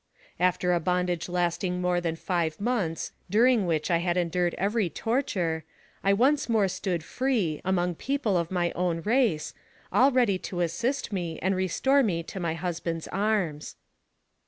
After a bondage lasting more than five months, during which I had endured every torture, I once more stood free, among people of my own race, all AMONG THE SIOUX INDIANS. 211 ready to assist me, and restore me to my husband's arms.